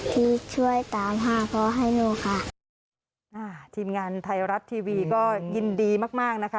ทีมงานไทยรัฐทีวีก็ยินดีมากนะคะ